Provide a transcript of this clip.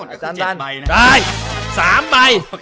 อาจารย์ลั่นได้๓ใบ